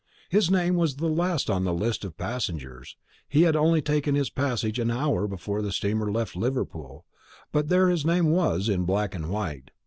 His name was the last on the list of passengers; he had only taken his passage an hour before the steamer left Liverpool, but there his name was in black and white.